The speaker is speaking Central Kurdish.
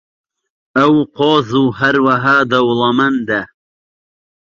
ئەو قۆز و هەروەها دەوڵەمەندە.